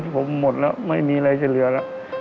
ผมหมดแล้วไม่มีอะไรจะเหลือแล้ว